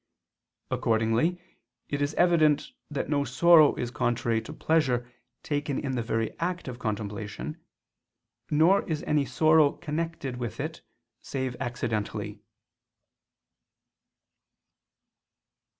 Accordingly it is evident that no sorrow is contrary to pleasure taken in the very act of contemplation; nor is any sorrow connected with it save accidentally.